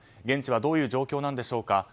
現地はどういう状況でしょうか。